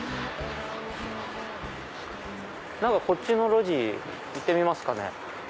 何かこっちの路地行ってみますかね。